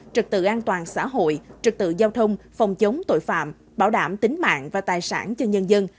trật tự an toàn xã hội trật tự giao thông phòng chống tội phạm bảo đảm tính mạng và tài sản cho nhân dân